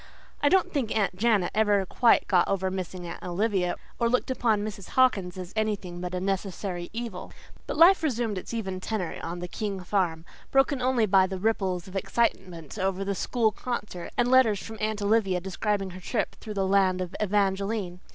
I don't think Aunt Janet ever quite got over missing Aunt Olivia, or looked upon Mrs. Hawkins as anything but a necessary evil; but life resumed its even tenor on the King farm, broken only by the ripples of excitement over the school concert and letters from Aunt Olivia describing her trip through the land of Evangeline.